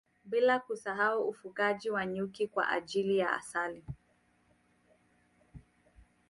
Bila kusahau ufugaji wa nyuki kwa ajili ya asali